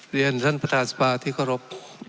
เรียนท่านประธานสภาที่เคารพ